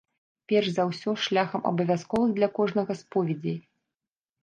Перш за ўсё шляхам абавязковых для кожнага споведзяў.